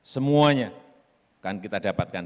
semuanya akan kita dapatkan